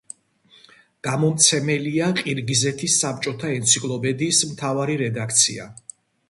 გამომცემელია ყირგიზეთის საბჭოთა ენციკლოპედიის მთავარი რედაქცია.